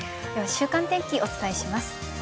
週間天気、お伝えします。